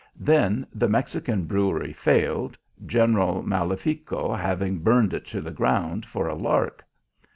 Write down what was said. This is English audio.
Then the Mexican brewery failed, General Malefico having burned it to the ground for a lark.